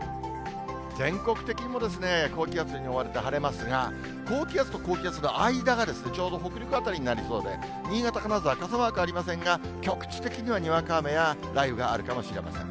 全国的にもですね、高気圧に覆われて晴れますが、高気圧と高気圧の間がですね、ちょうど北陸辺りになりそうで、新潟、金沢、傘マークありませんが、局地的にはにわか雨や雷雨があるかもしれません。